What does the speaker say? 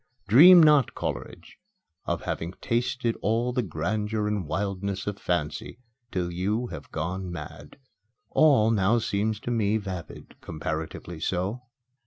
Dream not, Coleridge, of having tasted all the grandeur and wildness of Fancy till you have gone mad! All now seems to me vapid, comparatively so!"